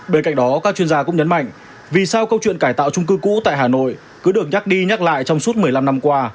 bên cạnh đó các chuyên gia cũng nhấn mạnh vì sao câu chuyện cải tạo trung cư cũ tại hà nội cứ được nhắc đi nhắc lại trong suốt một mươi năm năm qua